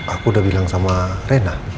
aku udah bilang sama rena